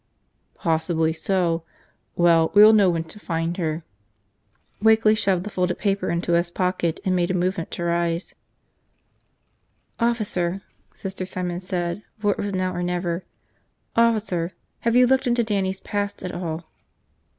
"Possibly so. Well, we'll know when we find her." Wakeley shoved the folded paper into his pocket and made a movement to rise. "Officer," Sister Simon said, for it was now or never. "Officer, have you looked into Dannie's past at all?"